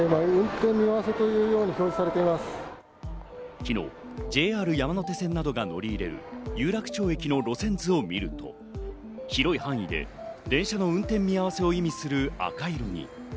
昨日、ＪＲ山手線などが乗り入れる有楽町駅の路線図を見ると広い範囲で電車の運転見合わせを意味する赤い色に。